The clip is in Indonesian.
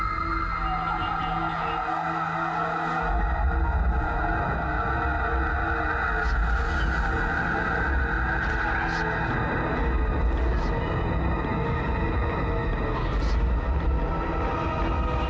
bersiaplah kau meri